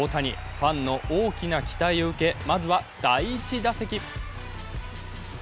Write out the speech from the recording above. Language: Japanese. ファンの大きな期待を受け、まずは第１打席。